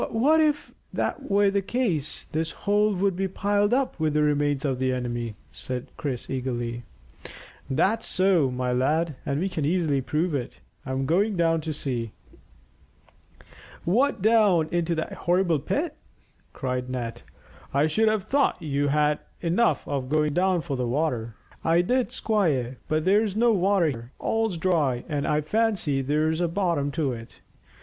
"But if that were the case this hole would be piled up with the remains of the enemy," said Chris eagerly. "That's so, my lad, and we can easily prove it. I'm going down to see." "What, down into that horrible pit?" cried Ned. "I should have thought you had had enough of going down for the water." "I did, squire; but there's no water here. All's dry, and I fancy there's a bottom to it.